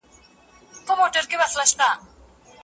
دغه پديدې د انسان د کنترول لاندې نه دي.